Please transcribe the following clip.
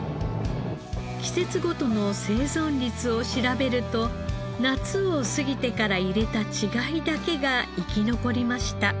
季節ごとの生存率を調べると夏を過ぎてから入れた稚貝だけが生き残りました。